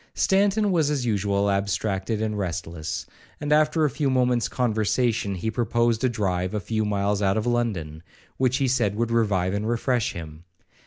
Stanton was as usual abstracted and restless, and, after a few moments conversation, he proposed a drive a few miles out of London, which he said would revive and refresh him.